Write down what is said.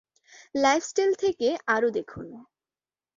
lifestyle থেকে আরও দেখুন